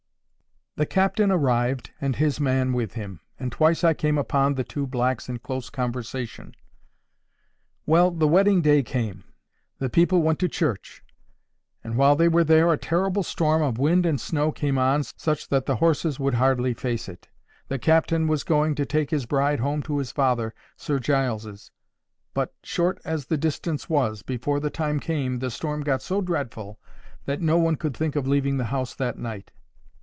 The captain arrived, and his man with him. And twice I came upon the two blacks in close conversation.—Well, the wedding day came. The people went to church; and while they were there a terrible storm of wind and snow came on, such that the horses would hardly face it. The captain was going to take his bride home to his father, Sir Giles's; but, short as the distance was, before the time came the storm got so dreadful that no one could think of leaving the house that night.